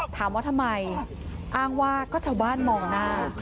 ถามว่าทำไมอ้างว่าก็ชาวบ้านมองหน้า